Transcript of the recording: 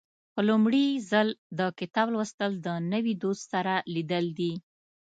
په لومړي ځل د کتاب لوستل د نوي دوست سره لیدل دي.